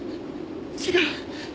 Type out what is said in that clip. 違う！